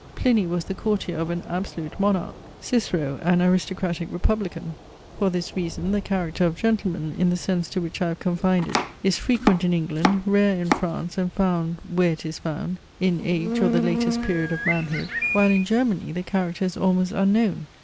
Pliny was the courtier of an absolute monarch Cicero an aristocratic republican. For this reason the character of gentleman, in the sense to which I have confined it, is frequent in England, rare in France, and found, where it is found, in age or the latest period of manhood; while in Germany the character is almost unknown.